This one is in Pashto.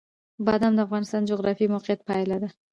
بادام د افغانستان د جغرافیایي موقیعت پایله ده.